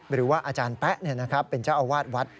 หรือว่าอาจารย์แป๊ะเป็นเจ้าอาวาสวัด